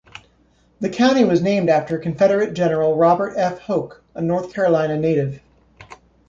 The county was named after Confederate General Robert F. Hoke, a North Carolina native.